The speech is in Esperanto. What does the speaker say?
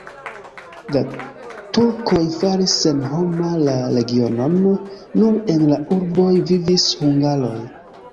La turkoj faris senhoma la regionon, nur en la urboj vivis hungaroj.